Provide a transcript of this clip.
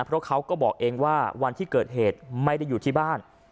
เพราะเขาก็บอกเองว่าวันที่เกิดเหตุไม่ได้อยู่ที่บ้าน